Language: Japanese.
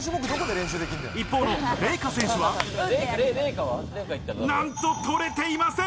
一方のレイカ選手は、なんと撮れていません。